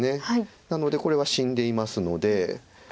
なのでこれは死んでいますので。